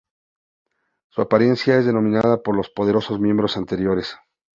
Su apariencia es dominada por los poderosos miembros anteriores.